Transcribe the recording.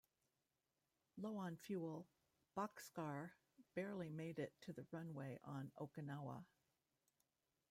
Low on fuel, "Bockscar" barely made it to the runway on Okinawa.